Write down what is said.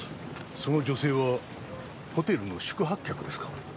その女性はホテルの宿泊客ですか？